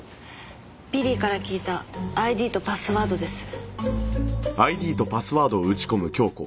ビリーから聞いたＩＤとパスワードです。